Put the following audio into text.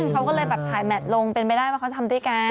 เขาก็เลยแบบถ่ายแมทลงเป็นไปได้ว่าเขาทำด้วยกัน